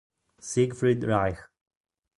Siegfried Reich